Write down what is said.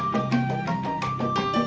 tanpa masalah ungin kamu